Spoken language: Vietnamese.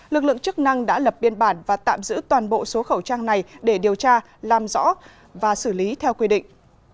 lực lượng chức năng đã lập biên bản và tạm giữ toàn bộ số khẩu trang này để điều tra làm rõ và xử lý theo quy định